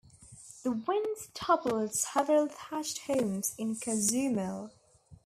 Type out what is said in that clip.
The winds toppled several thatched homes on Cozumel.